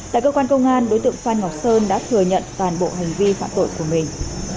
tại cơ quan công an đối tượng phan ngọc sơn đã thừa nhận toàn bộ hành vi phạm tội của mình